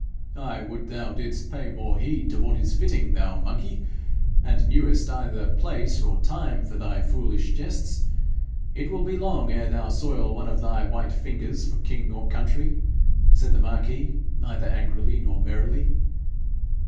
'I would thou didst pay more heed to what is fitting, thou monkey, and knewest either place or time for thy foolish jests! It will be long ere thou soil one of thy white fingers for king or country,' said the marquis, neither angrily nor merrily.